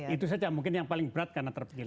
itu saja mungkin yang paling berat karena terpilih